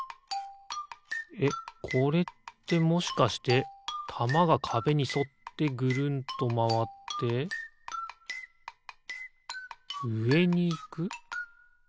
えっこれってもしかしてたまがかべにそってぐるんとまわってうえにいく？